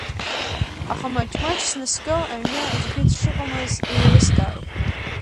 Аха маҷ-маҷ снаскьо, аҩны аӡәгьы дшыҟамыз еилыскааит.